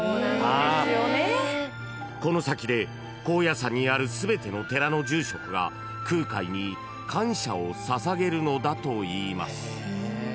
［この先で高野山にある全ての寺の住職が空海に感謝を捧げるのだといいます］